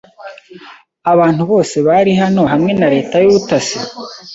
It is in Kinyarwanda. Abantu bose bari hano hamwe na leta y’ubutasi?